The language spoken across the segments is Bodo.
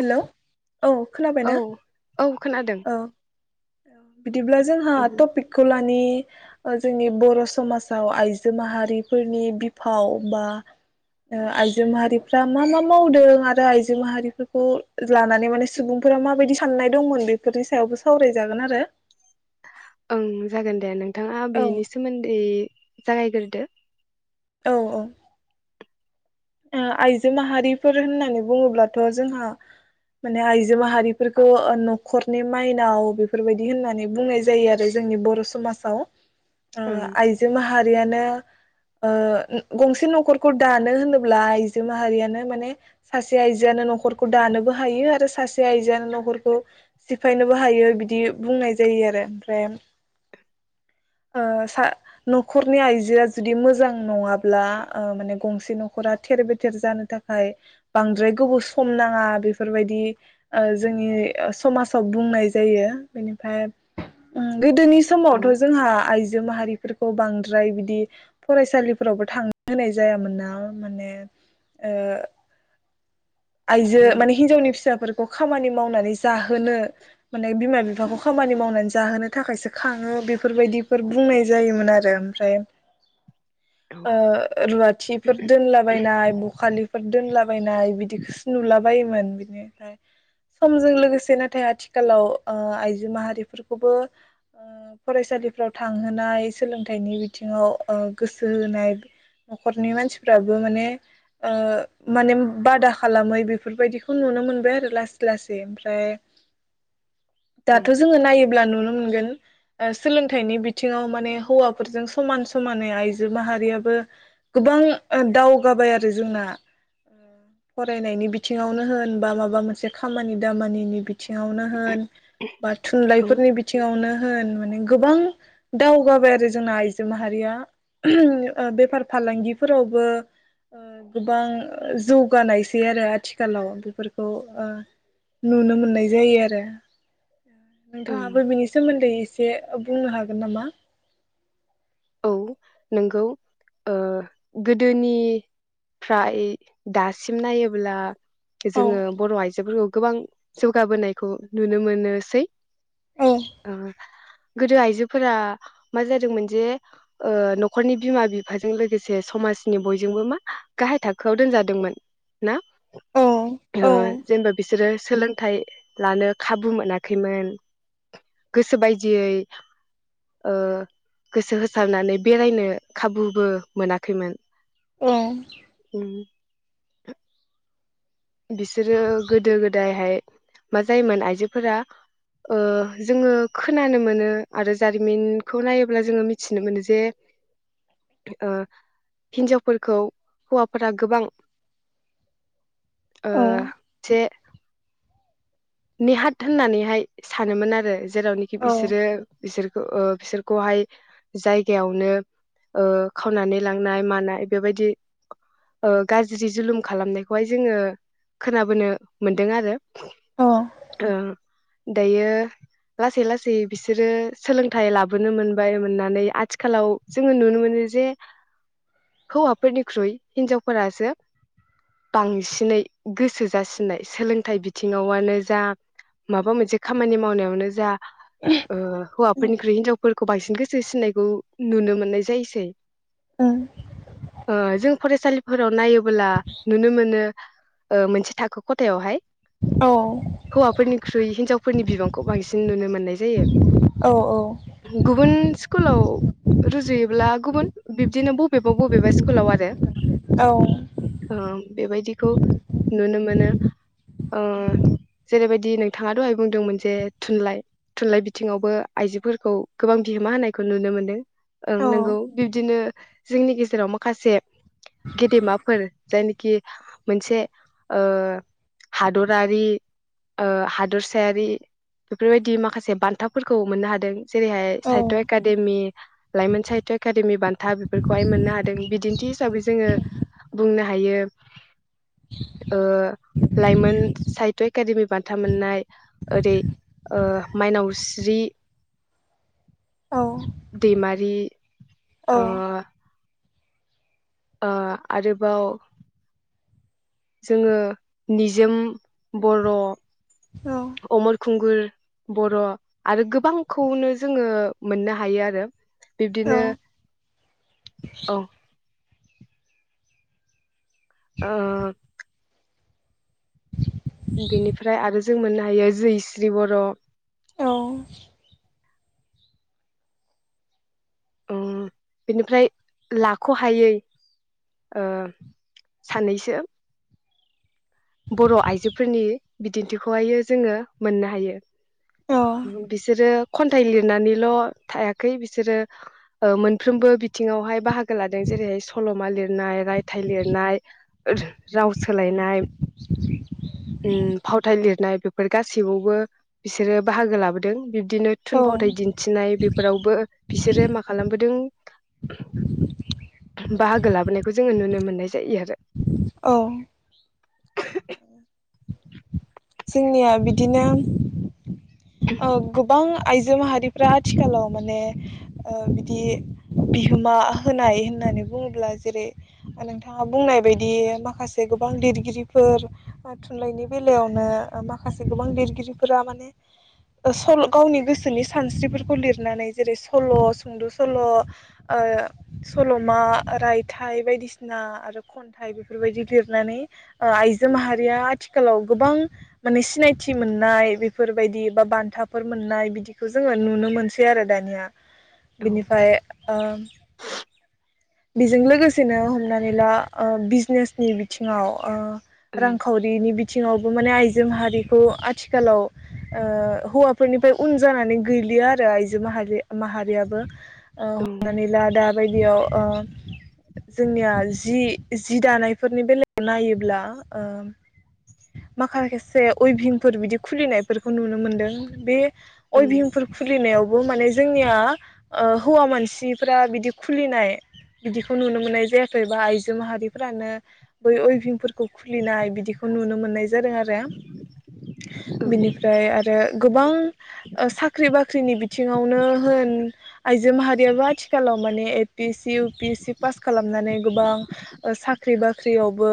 हेलौ औ औ खोनाबायना औ खोनादों औ बिदिब्ला जोंहा उम टपिकखौ लान बि जोंनि बर समाजाव आइजो माहारिफोरनि बिफाव बा आइजो आइजो माहारिफ्रा मा मा मावदों आरो आइजो माहारिफोरखौ लानानै माने सुबुंफोरा माबायदि साननाय दंमोन बे बेफोरनि सायावबो सावरायजागोन आरो ओं जागोन दे नों नोंथाङा औ बेनि सोमोन्दै जागायग्रोदो औ औ ओ आइजो माहारिफोर होननानै बुङोब्लाथ जोंहा माने आइजो माहारिफोरखौ नखरनि माइनाव बेफोरबायदि होननानै बुंनाय जायो आरो जोंनि बर' समाजाव ओ ओं आइजो माहारियानो ओ गंसे नखरखौ दानो होनोब ब्ला आइजो माहारियानो माने सासे आइजोआनो नखरखौ दानोबो हायो आरो सासे आइजोआानो नखरखौ सिफायनोबो हायो बिदि बुंनाय जायो आरो मफ्राय ओ सा नखरनि आइजोआ जुदि मोजां नङाब्ला ओ माने गंसे नख नखरा थेर बेथेर जानो थाखाय बांद्राय गोबाव सम नाङा बेफोरबायदि ओ जोंनि ओ समाजाव बुंनाय जायो बेनिफ्राय उम गोदोनि औ समावथ जोंहा आइज आइजो माहारिफोरखौ बांद्राय बिदि फरायसालिफोरावबो थांनो होनाय जायामोन ना माने ओ आइजो ओं माने हिनजावनि फिसाफोरखौ खामानि मावनानै जाहोनो माने बिमा बिफाखौ खामानि मावनानै जाहोनो थाखायसो खाङो बेफोरबायदिफोर बुंनाय जायोमोन आरो ओमफ्राय औ ओ रुवाथिफोर दोनलाबायनाय बखालिफोर दोनला बायनाय बिदि नुलाबायायोमोन बिनिफ्राय समजों लोगोसे नाथाय आथिखालाव ओ आइजो माहारिफोरखौबो ओ फरायसालिफ्राव थांहोनाय सोलोंथाइनि बिथिङाव ओ गोसो होनाय नखरनि मानसिफ्राबो माने ओ माने बादा खालामै बेफोरबायदिखौ नुनो मोनबाय आरो लासै लासै ओमफ्राय दाथ ओं जोङो नायोब्ला नुनो मोन गोन सोलोंथाइनि बिथिङाव माने हौवाफोरजों समान समानै आइजो माहारियाबो गोबां दावगाबाय आरो जोंना फरायनायनि बिथिङावनो होन बा माबा मोनसे खामानि दामानिनि बि बिथिंआवनो होन बा औ थुनलाइफोरनि बिथिंआवनो होन माने गोबां दावगाबाय आरो जोंना आइजो माहारिया ओ बेफार फालांगिफोरावबो ओ गोबां जौ गानायसै आरो आथिखालाव बेफोरखौ ओ नुनो मोननाय जायो आरो ओं नोंथाङाबो बिनि सोमोन्दै एसे एसे बुंनो हागोन नामा औ नोंगौ ओ गोदोनिफ्राय दासिम नायोब्ला औ जोङो बर' आइजोफोरखौ गोबां जौगाबोनायखौ नुनो मोनोसै औ ओ गोदो आइजोफोरा मा जादोंमोन जे ओ न'खरनि बिमा बिफाजों लोगोसे समाजनि बयजोंबो मा गाहाय थाखोआव दोनजादोंमोन ना। औ ओ औ जेनेबा बिसोरो सोलों थाइ लानो खाबु मोनाखैमोन गोसो बायदियै ओ गोसो होस सारनानै बेरायनो खाबुबो मोनाखैमोन। ओ उम बिसोरो गोदो गोदायहाय मा जायोमोन आइजोफोरा ओ जोङो खोनानो मोनो आरो जारिमिनखौ नायोब्ला जोङो मिथिनो मोनो जे ओ हिन्जावफोरखौ हौवाफोरा गोबां ओ औ जे नेहाथ होननानैहाय सानोमोन आरो जेरावनिखि औ बिसोरो बिसोरखौ ओ बिसोरखौहाय जायगायावनो ओ खावनानै लांनाय मानाय बेबायदि ओ गाज्रि जुलुम खालामनायखौहाय जोङो खोनाबोनो मोनदों आरो ओ दायो लासै-लासै बिसोरो सोलोंथाइ लाबोनो मोनबाय मोननानै आथिखालाव जोङो नुनो मोनो जे हौवाफोरनिख्रुइ हिनजावफोरासो बांसिनै गोसो जासिननाय सोलोंथाइ बिथिङावनो जा माबा मोनसे खामानि मावनायावनो जा ओ हौवाफोरनिख्रुइ हिनजावफोर खौ बांसिन गोसो होसिनायखौ नुनो मोननाय जायोसै। उम ओ जों फरायसालिफोराव नायोबोला नुनो मोनो ओ मोनसे थाखो खथायावहाय औ हौवाफोरनिख्रुइ हिनजावफोरनि बिबांखौ बांसिन नुनो मोन नाय जायो। औ गुबुन सकुलाव रुजुयोब्ला गुबुन बिब्दिनो बबेबा-बबेबा सकुलाव आरो औ ओं बेबायदिखौ नुनो मोनो ओ जेरैबायदि नोंथाङा दहाय बुंदोंमोन जे थुनलाइ-थुनलाइ बिथिङावबो आइजोफोरखौ गोबां बिहोमा होनायखौ नुनो मोनदों ओं औ नोंगौ बिब्दिनो जोंनि गेजेराव माखासे गेदेमाफोर जायनिखि मोनसे ओ हादरारि ओ हादरसायारि बेफोरबायदि माखासे बान्थाफोरखौ मोननो हादों जेरैहाय साहित्य' एकादेमि लाइमोन साहित्य' एकादेमि बान्था बेफोरखौहाय मोननो हादों बिदिन्थि हिसाबै जोङो बुंनो हायो ओ लाइमोन साहित्य एकादेमि बान्था मोननाय ओरै ओ माइनावस्रि औ दैमारि ओ ओ आरोबाव जोङो निजोम बर' औ अमर खुंगुर बर' आरो गोबांखौनो जोङो मोननो हायो आरो। औ औ बिब्दिनो औ ओ बेनिफ्राय आरो जों मोननो हायो जैस्रि बर [unintelligible] अम बेनिफ्राय लाखहायै ओ सानैसो बर'आयजोफोरनि बिदिन्थिखौहाय जोङो मोननो हायो। बिसोरो खन्थाइ लिरनानैल' थायाखै बिसोरो ओ मोनफ्रोमबो बिथिङावहाय बाहागो लादों जेरैहाय सल'मा लिरनाय, रायथाइ लिरनाय, ओदो राव सोलायनाय, नाय बेफोर गाससिबावबो बिसोरो बाहागो लाबोदों बि दिनो थुनफावथाइ दिन्थिनाय बेफोरावबो बिसोरो मा खालामबोदों बाहागो लाबोनायखौ जोङो नुनो मोननाय जायो आरो। औ [inaudible] जोंनिया बिदिनो औ गोबां आ आइजो माहारिफ्रा आथिखालाव माने ओ बिदि बिहोमा होनाय होननानै बुङोब्ला जेरै नोंथाङा बुंनाय बायदि माखासे गोबां लिरगिरिफोर बा थुनलाइनि बेलायावनो ओ माखासे गोबां लिरगिरिफोरा माने ओ सल' गावनि गोसोनि सानस्रिफोरखौ लिरनानै जेरै सल', सुंद' सल' ओ सल'मा, रायथाइ बायदिसिना आरो खन्थाइ बेफोरबायदि लिरनानै ओ आइजो माहा रिया आथिखालाव गोबां माने सिनायथि मोननाय बेफोरबायदि बा बान्थाफोर मोननाय बिदिखौ जोङो नुनो मोनसै आरो दानिया। औ बेनिफाय ओ बिजों लोगोसेनो हमनानै ला ओ बिजनेसनि बिथिङाव ओ ओं रांखावरिनि बिथिङावबो माने आइजो माहारिखौ आथिखालाव ओ हौवाफोरनिफ्राय उन जानानै गैलिया आरो आइजो माहारि माहारियाबो ओ ओं हमनानै ला दा बै बेयाव ओ जोंनिया जि जि दानायफोरनि बेलायाव नायोब्ला ओ माखासेसे उइभिंफोर बिदि खुलिनायफोरखौ नुनो मोनदों बे ओं अयबिंफोर खुलिनायावबो माने जोंनिया ओ हौवा मानसिफ्रा बिदि खुलिनाय बिदिखौ नुनो मोननाय जायाखै बा आइजो माहारिफोरानो बै उइभिंफोरखौ खुलिनाय बिदिखौ नुनो मोननाय जादों आरो। बिनिफ्राय आरो गोबां ओ साख्रि बाख्रिनि बिथिङावनो होन आइजो माहारियाबो आथिखालाव माने A P S C U P S C pass खालामनानै गोबां ओ साख्रि बाख्रियावबो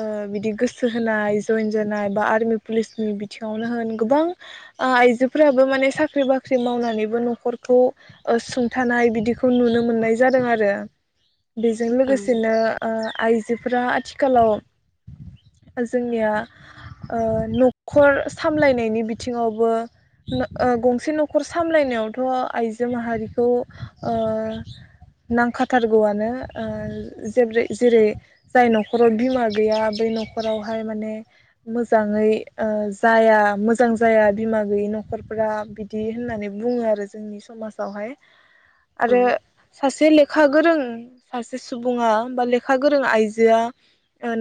ओ बिदि गोसो होनाय जइन जानाय बा आर्मि पुलिसनि बिथिङावनो होन गोबां ओ आइजोफोराबो माने साख्रि बाख्रि मावनानैबो न'खरखौ ओ सुंथानाय बिदिखौ नुनो मोननाय जादों आरो। बेजों ओं लोगोसेनो ओ आइजोफोरा आथिखालाव जोंनिया ओ न'खर सामलायनायनि बिथिङावबो नो ओ गंसे न'खर सामलायनायावथ आइजो माहारिखौ ओ नांखा थारगौवानो ओ जेब्रै जेरै जाय न'खराव बिमा गैया बै न'खरावहाय माने मोजाङै ओ जाया मोजां जाया बिमा गैयि न'खरफ्रा बिदि होननानै बुङो आरो जोंनि समाजावहाय ओं औ आरो सासे ले खा गोरों सासे सुबुङा बा लेखा गोरों आइजोआ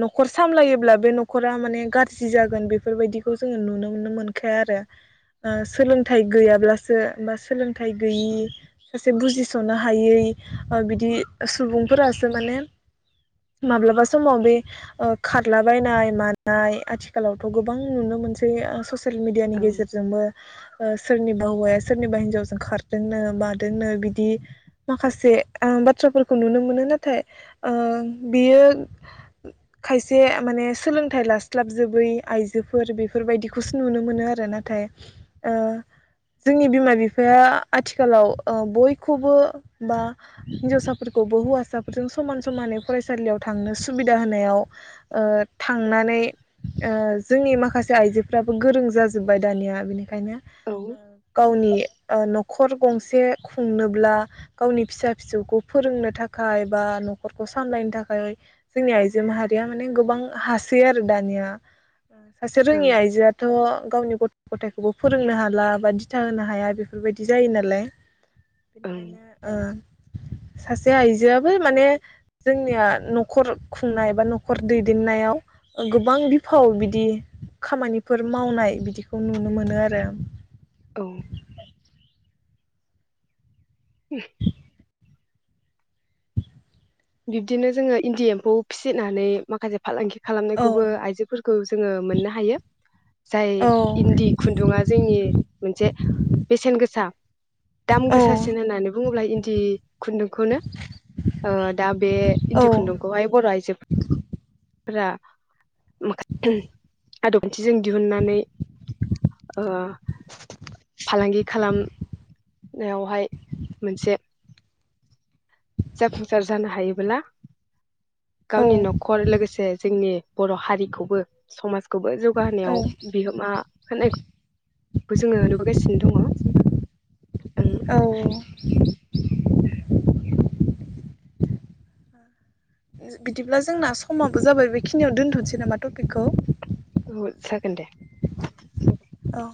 न'खर सामलायोब्ला बे न'खरा माने गाज्रि जागोन बेफोरबायदिखौ जोङो नुनो नुनोमोनखाया आरो ओ सोलोंथाइ गैयाब्लासो बा सोलोंथाइ गैयि सासे बुजिस'नो हायै ओ बिदि सुबुंफोरासो माने माब्लाबा समाव बै ओ खारलाबायनाय मानाय आथिखालावथ' गोबां नुनो मोनसै ओ ससे फोर मिडियानि ओं गेजेरजोंबो ओ सोरनिबा हौवाया सोरनिबा हिनजावजो जों खारदोंनो मादोंनो बिदि माखासे से ओ बाथ्राफोरखौ नुनो मोनो नाथाय ओ बियो खायसे माने सोलोंथाइ लास्लाबजोबै आइजोफोर बेफोरबायदिखौसो नुनो मोनो आरो नाथाय ओ जोंनि बिमा बिफाया आथिखालाव ओ बयखौबो बा हिन्जावसाफोरखौबो हौवासाफोरजों समान समानै फरायसालियाव थांनो सुबिदा होनायाव ओ थांनानै ओ जोंनि माखासे आइजोफ्राबो गोरों जाजोबबाय दानिया बेनो। ओनखायनो औ गावनि ओ न'खर गंसे खुंनोब्ला गावनि फिसा फिसौखौ फोरोंनो थाखाय बा न'खरखौ सामलायनो थाखाय जोंनि आइजो माहारिया माने गोबां हासै आरो दानिया सासे रोङि ओं आइजोआथ' गावनि गथ' गथायखौबो फोरोंनो हाला बा दिथा होनो हाया बेफोरबायदि जायो नालाय ओं बेनिखायनो सासे आइजोआबो माने जोंनिया न'खर खुंनाय बा न'खर दैदेननायाव गोबां बिफाव बिदि खामानिफोर मावनाय बिदिखौ नुनो मोनो आरो। औ उम बिब्दिनो जोङो इन्दि एम्फौ फिसिनानै माखासे फालांगि औ खालामनायखौबो आइजोफोरखौ जोङो मोननो हायो जाय औ इन्दि खुन्दुङा जोंनि मोनसे बेसेन गोसा दाम औ गोसासिन होननानै बुङोब्ला इन्दि खुन्दुंखौनो ओ दा बे इन्दि औ खुन्दुंखौहाय बर' आइजो फोरा माखा आदब खान्थिजों दिहुननानै ओ फालांगि खालाम नायावहाय मोनसे जाफुंसार जानो हायोब्ला औ गावनि न'खर लोगोसे जोंनि बर' हारिखौबो समाज खौबो जौगाहोनायाव औ बिहोमा होनाय खोबो जोङो नुबोगासिनो दङ। औ बिदिब्ला जोंना समाबो जाबाय बेखिनियाव दोनथ'नोसै नामा टपिकखौ । औ जागोन दे। औ